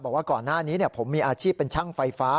บอกว่าก่อนหน้านี้ผมมีอาชีพเป็นช่างไฟฟ้า